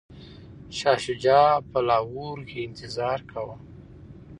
شاه شجاع په لاهور کي انتظار کاوه.